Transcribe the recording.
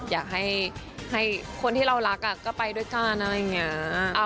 อยากให้คนที่เรารักก็ไปด้วยกันอะไรอย่างนี้